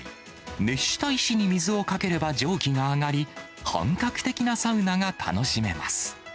熱した石に水をかければ蒸気が上がり、本格的なサウナが楽しめます。